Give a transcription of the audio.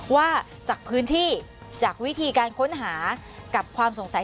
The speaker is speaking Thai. ว่าจากพื้นที่จากวิธีการค้นหากับความสงสัย